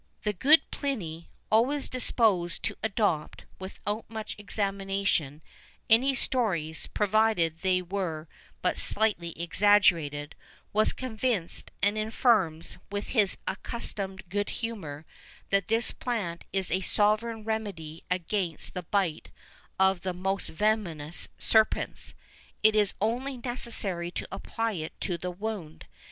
[VI 2] The good Pliny, always disposed to adopt, without much examination, any stories, provided they were but slightly exaggerated, was convinced, and affirms, with his accustomed good humour, that this plant is a sovereign remedy against the bite of the most venomous serpents: it is only necessary to apply it to the wound.